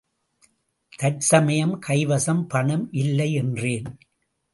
தற்சமயம் கைவசம் பணம் இல்லை என்றேன்.